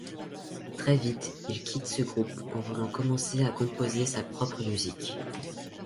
Très vite, il quitte ce groupe en voulant commencer à composer sa propre musique.